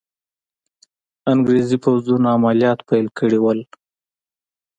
انګریزي پوځونو عملیات پیل کړي وو.